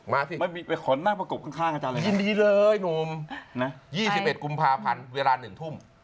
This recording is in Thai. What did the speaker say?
มาสิยินดีเลยหนู๒๑กุมภาพันธ์เวลา๑ทุ่ม